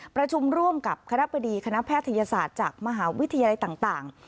ประชุมร่วมกับคณะบดีคณะแพทยศาสตร์จากมหาวิทยาลัยต่าง